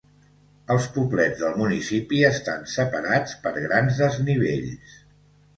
Els poblets del municipi estan separats per grans desnivells.